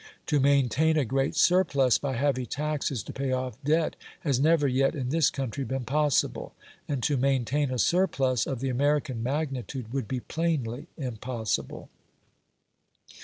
To maintain a great surplus by heavy taxes to pay off debt has never yet in this country been possible, and to maintain a surplus of the American magnitude would be plainly impossible.